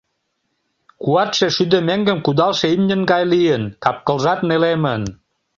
Куатше шӱдӧ меҥгым кудалше имньын гай лийын, капкылжат нелемын.